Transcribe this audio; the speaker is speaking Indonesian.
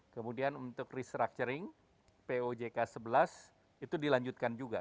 kemudian untuk restructuring pojk sebelas itu dilanjutkan juga